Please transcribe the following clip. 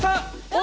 お！